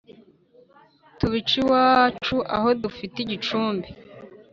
Tubice iwacu aho dufite icumbi